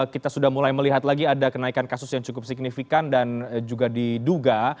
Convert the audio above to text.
kita sudah mulai melihat lagi ada kenaikan kasus yang cukup signifikan dan juga diduga